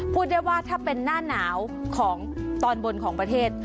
พูดได้ว่าถ้าเป็นหน้าหนาวของตอนบนของประเทศ